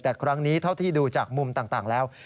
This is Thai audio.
แต่ครั้งนี้เท่าที่ดูจากมุมต่างแล้ว